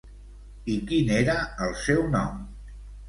I quin era el seu nom?